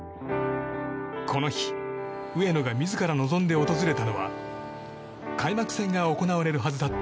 この日、上野が自ら望んで訪れたのは開幕戦が行われるはずだった